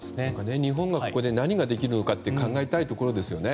日本がここで何ができるのかと考えたいですね。